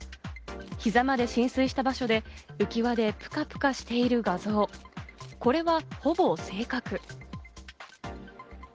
膝まで浸水した場所で、浮き輪でプカプカしている画像、これは、ほぼ正確。